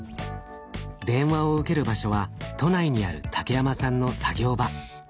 電話を受ける場所は都内にある竹山さんの作業場。